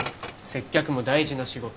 接客も大事な仕事。